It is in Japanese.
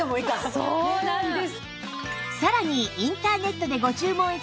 そうなんです。